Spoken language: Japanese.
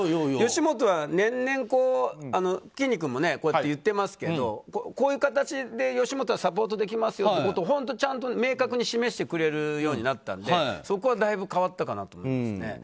吉本は年々、きんに君もこういって言っていますけどこういう形で吉本もサポートできますよということを本当、ちゃんと明確に示してくれるようになったのでそこはだいぶ変わったかなと思いますね。